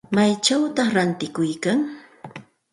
¿Maychawta ratikuykan?